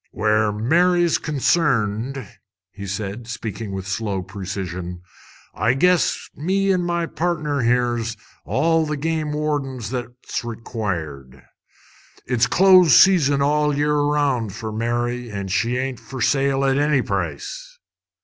"Where Mary's concerned," said he, speaking with slow precision, "I guess me an' my pardner here's all the game wardens that's required. It's close season all year round fer Mary, an' she ain't fer sale at any price."